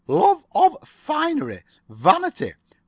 "Love of finery. Vanity.